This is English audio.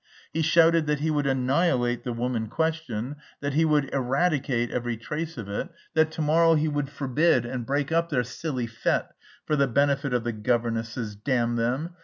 He shouted that he would annihilate the woman question, that he would eradicate every trace of it, that to morrow he would forbid and break up their silly fête for the benefit of the governesses (damn them!)